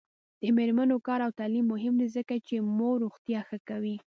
د میرمنو کار او تعلیم مهم دی ځکه چې مور روغتیا ښه کوي.